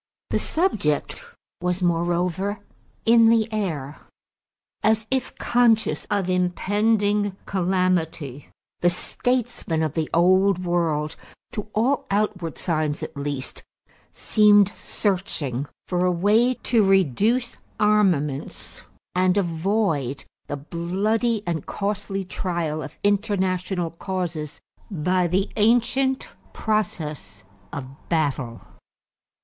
The subject was moreover in the air. As if conscious of impending calamity, the statesmen of the Old World, to all outward signs at least, seemed searching for a way to reduce armaments and avoid the bloody and costly trial of international causes by the ancient process of battle.